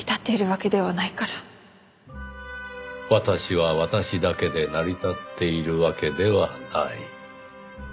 「私は私だけで成り立っているわけではない」。